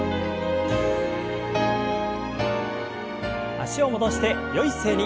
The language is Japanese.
脚を戻してよい姿勢に。